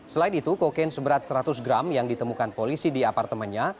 selain itu kokain seberat seratus gram yang ditemukan polisi di apartemennya